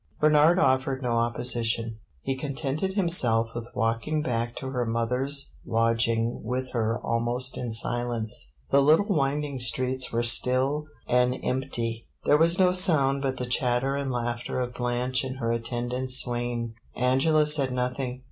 Bernard offered no opposition. He contented himself with walking back to her mother's lodging with her almost in silence. The little winding streets were still and empty; there was no sound but the chatter and laughter of Blanche and her attendant swain. Angela said nothing.